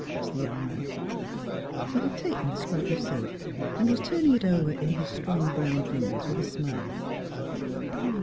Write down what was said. " asked the young man ; he had taken the scrap of silk and was turning it over in his strong brown fingers with a smile.